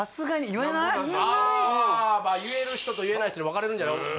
言えないまあー言える人と言えない人に分かれるんじゃないの？